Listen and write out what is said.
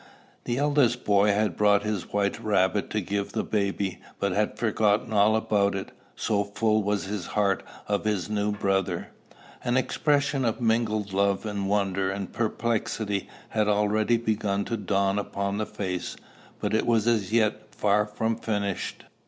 The eldest boy had brought his white rabbit to give the baby, but had forgotten all about it, so full was his heart of his new brother. An expression of mingled love and wonder and perplexity had already begun to dawn upon the face, but it was as yet far from finished.